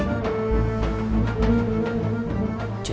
mamang peacock tapi moderator